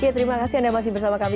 terima kasih anda masih bersama kami